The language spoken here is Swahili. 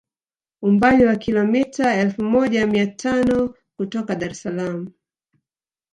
Umbali wa kilometa elfu moja mia tano kutoka Dar es Salaam